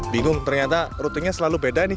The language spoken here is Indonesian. bingung ternyata rutinnya selalu beda nih